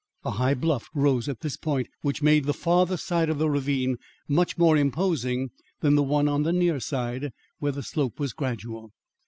A high bluff rose at this point, which made the farther side of the ravine much more imposing than the one on the near side where the slope was gradual.